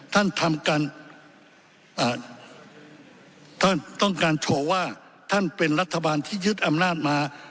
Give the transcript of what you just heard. ท่านทำการท่านต้องการโชว์ว่าท่านเป็นรัฐบาลที่ยึดอำนาจมา